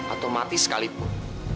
atau mati sekalipun